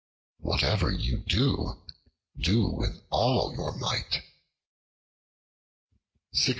Whatever you do, do with all your might.